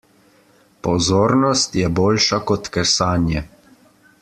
Pozornost je boljša kot kesanje.